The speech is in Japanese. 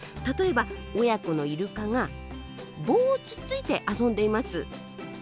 例えば親子のイルカが棒をつっついて遊んでいます。